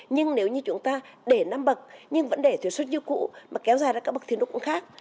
nhưng nếu như chúng ta để năm bậc nhưng vẫn để thuế xuất như cũ mà kéo dài ra các bậc thì nó cũng khác